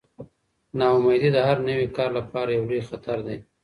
ناامیدي د هر نوي کار لپاره یو لوی خطر دی.